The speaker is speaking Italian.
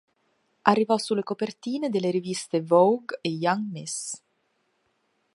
Arrivò sulle copertine delle riviste "Vogue" e "Young Miss".